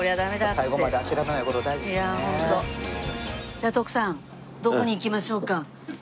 じゃあ徳さんどこに行きましょうか？